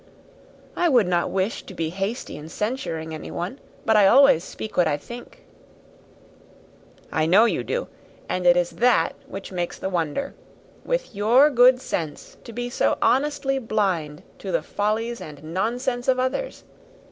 "I would wish not to be hasty in censuring anyone; but I always speak what I think." "I know you do: and it is that which makes the wonder. With your good sense, to be so honestly blind to the follies and nonsense of others!